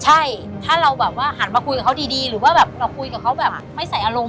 ใช่ถ้าเราแบบว่าหันมาคุยกับเขาดีหรือว่าแบบเราคุยกับเขาแบบไม่ใส่อารมณ์